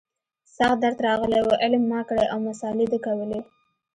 سخت درد راغلى و علم ما کړى او مسالې ده کولې.